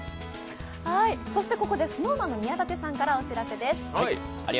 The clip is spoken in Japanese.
そしてここでＳｎｏｗＭａｎの宮舘さんからお知らせです。